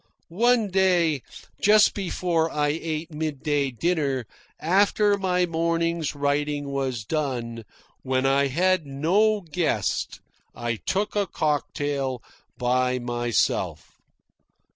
One day, just before I ate midday dinner, after my morning's writing was done, when I had no guest, I took a cocktail by myself.